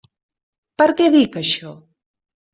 Per què dic això?